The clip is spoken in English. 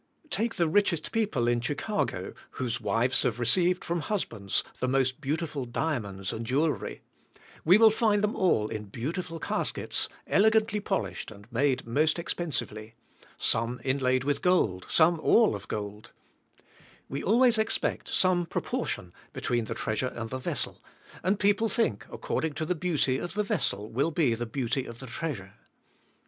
Take the richest people in Chicago, whose wives have received from husbands the most beau tiful diamonds and jewelry, we will find them all in beautiful caskets, elegantly polished and made most expensively. Some inlaid with gold, some all of tn ^ HEjAVEjNtY ^rBasur:^. 16S gold. We always expect some proportion between the treasure and the vessel, and people think, ac cording to the beauty of the vessel will be the beauty of the treasure.